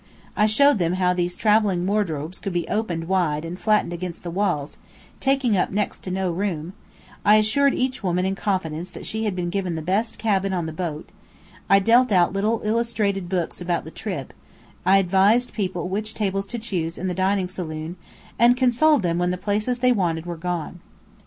I showed them how these travelling wardrobes could be opened wide and flattened against the walls, taking up next to no room; I assured each woman in confidence that she had been given the best cabin on the boat; I dealt out little illustrated books about the trip; I advised people which tables to choose in the dining saloon, and consoled them when the places they wanted were gone.